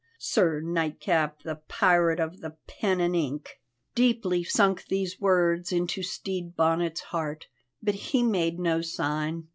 Sir Nightcap, the pirate of the pen and ink!" Deeply sunk these words into Stede Bonnet's heart, but he made no sign.